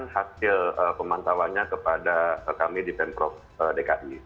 dan melaporkan hasil pemantauannya kepada kami di pemprov dki